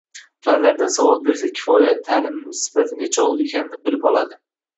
fanlardan savol bersa kifoya – ta’limimiz sifati nechog‘lik ekanini bilib oladi